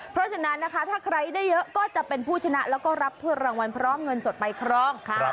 เพราะฉะนั้นนะคะถ้าใครได้เยอะก็จะเป็นผู้ชนะแล้วก็รับถ้วยรางวัลพร้อมเงินสดไปครองค่ะ